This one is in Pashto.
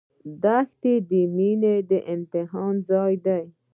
دښته د مینې د امتحان ځای دی.